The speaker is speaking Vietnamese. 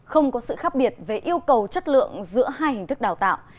không có sự khác biệt về yêu cầu chất lượng giữa hai hình thức đào tạo